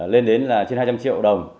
lên đến là trên hai trăm linh triệu đồng